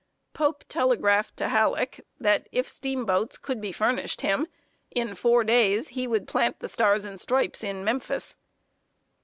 Pope telegraphed to Halleck that, if steamboats could be furnished him, in four days he would plant the Stars and Stripes in Memphis.